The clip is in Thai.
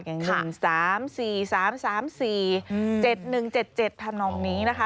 อย่างอย่าง๓๔๓๓๔๗๑๗๗พนนี้นะคะ